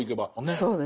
そうです。